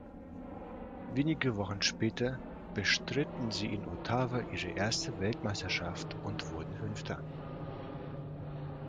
Wenige Wochen später bestritten sie in Ottawa ihre erste Weltmeisterschaft und wurden Fünfte.